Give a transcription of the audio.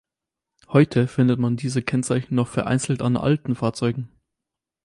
Heute findet man diese Kennzeichen noch vereinzelt an alten Fahrzeugen.